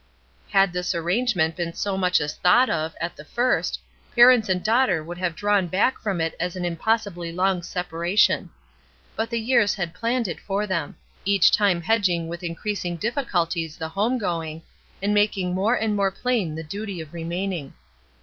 Had this arrangement been so much as thought of, at the first, parents and daughter would have drawn back from it as an impossibly long separa tion. But the years had planned it for them; each time hedging with increasing difficulties the home going, and making more and more plain the duty of remaining.